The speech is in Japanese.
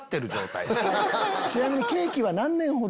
ちなみに。